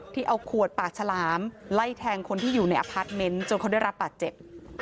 เอาขวดปากฉลามไล่แทงคนที่อยู่ในอพาร์ทเมนต์จนเขาได้รับบาดเจ็บ